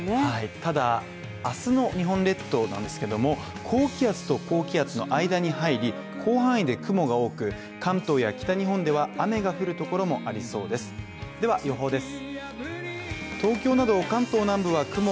ただ、あすの日本列島なんですけども、高気圧と高気圧の間に入り、広範囲で雲が多く、関東や北日本では雨が降るところもありそうです。